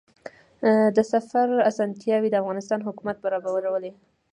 د سفر اسانتیاوې د افغانستان حکومت برابرولې.